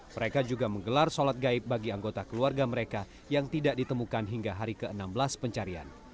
mereka juga menggelar sholat gaib bagi anggota keluarga mereka yang tidak ditemukan hingga hari ke enam belas pencarian